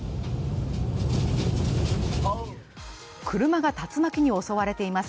車が竜巻に襲われています。